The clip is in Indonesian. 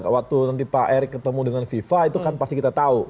waktu nanti pak erick ketemu dengan fifa itu kan pasti kita tahu